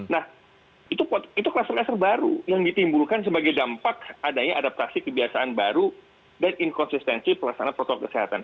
nah itu kluster kluster baru yang ditimbulkan sebagai dampak adanya adaptasi kebiasaan baru dan inkonsistensi pelaksanaan protokol kesehatan